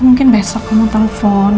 ya mungkin besok kamu telepon